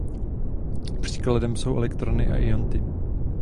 Příkladem jsou elektrony a ionty.